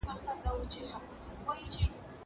زه پرون کتابونه وړم وم!